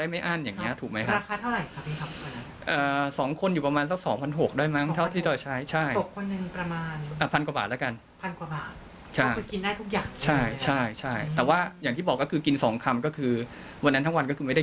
ไม่เข้าใจจริงเพราะว่าเราเพิ่งเริ่มกินไป๒น้ำ